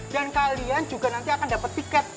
dan kalian juga nanti akan dapat tiket